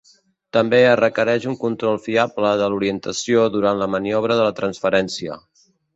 També es requereix un control fiable de l'orientació durant la maniobra de la transferència.